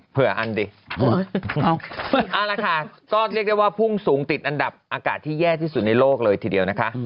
อันดิเอาละค่ะก็เรียกได้ว่าพุ่งสูงติดอันดับอากาศที่แย่ที่สุดในโลกเลยทีเดียวนะคะ